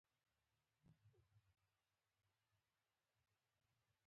یوازې د ډنډره یی را پرې کوئ.